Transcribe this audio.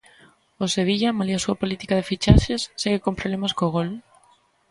O Sevilla, malia a súa política de fichaxes, segue con problemas co gol.